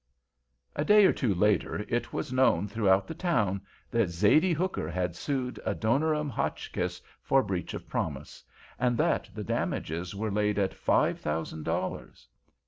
A day or two later it was known throughout the town that Zaidee Hooker had sued Adoniram Hotchkiss for breach of promise, and that the damages were laid at five thousand dollars.